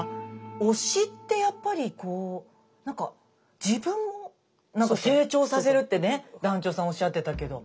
推しってやっぱりこう何か自分も成長させるってね団長さんおっしゃってたけど。